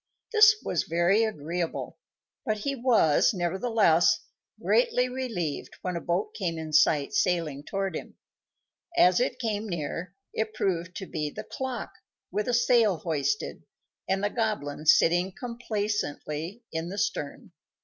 This was very agreeable; but he was, nevertheless, greatly relieved when a boat came in sight sailing toward him. As it came near, it proved to be the clock, with a sail hoisted, and the Goblin sitting complacently in the stern.